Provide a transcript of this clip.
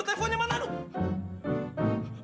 teleponnya mana aduh